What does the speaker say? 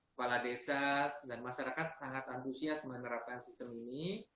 kepala desa dan masyarakat sangat antusias menerapkan sistem ini